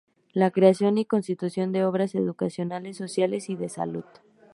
La creación y construcción de obras educacionales, sociales y de la salud.